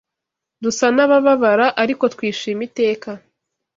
Dusa n’abababara ariko twishima iteka